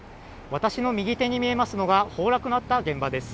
私の右手に見えますのが崩落のあった現場です。